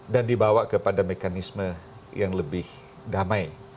dan dibawa kepada mekanisme yang lebih damai